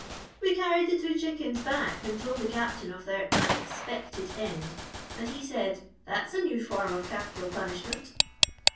"We carried the two chickens back and told the Captain of their unexpected end, and he said, 'That's a new form of capital punishment.